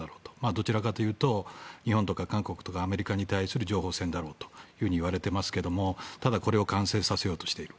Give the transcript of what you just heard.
どちらかというと日本とか韓国やアメリカに対する情報戦だろうといわれていますがただ、これを完成させようとしている。